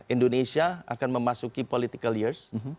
indonesia akan memasuki political years